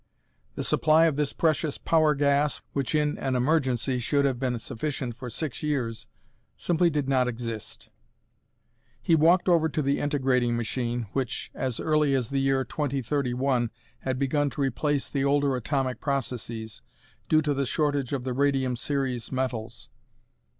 The supply of this precious power gas, which in an emergency should have been sufficient for six years, simply did not exist. He walked over to the integrating machine, which as early as the year 2031 had begun to replace the older atomic processes, due to the shortage of the radium series metals.